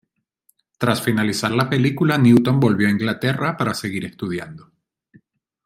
Tras finalizar la película, Newton volvió a Inglaterra para seguir estudiando.